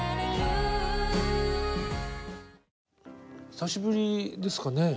久しぶりですかね？